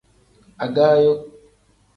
Agaayo.